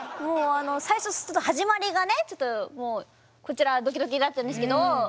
最初始まりがねちょっともうこちらはドキドキだったんですけどそうね。